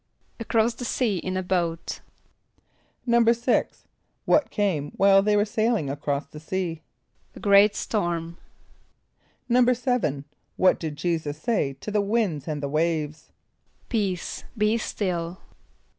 =Across the sea in a boat.= =6.= What came while they were sailing across the sea? =A great storm.= =7.= What did J[=e]´[s+]us say to the winds and the waves? ="Peace, be still."